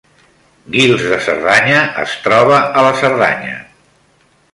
Guils de Cerdanya es troba a la Cerdanya